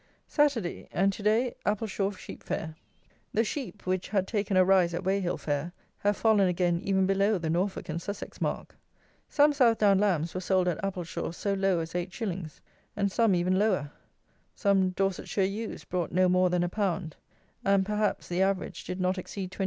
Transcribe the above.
Saturday, and to day Appleshaw sheep fair. The sheep, which had taken a rise at Weyhill fair, have fallen again even below the Norfolk and Sussex mark. Some Southdown Lambs were sold at Appleshaw so low as 8_s._ and some even lower. Some Dorsetshire Ewes brought no more than a pound; and, perhaps, the average did not exceed 28_s.